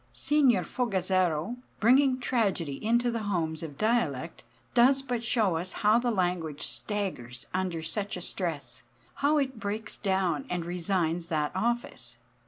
Signor Fogazzaro, bringing tragedy into the homes of dialect, does but show us how the language staggers under such a stress, how it breaks down, and resigns that office.